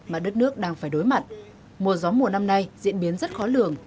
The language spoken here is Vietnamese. mà đất nước đang phải đối mặt mùa gió mùa năm nay diễn biến rất khó lường